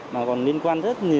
mà còn liên quan rất nhiều